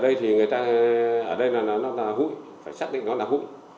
ở đây thì người ta ở đây là nó là hụi phải xác định nó là hụi